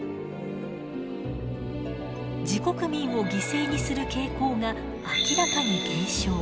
自国民を犠牲にする傾向が明らかに減少。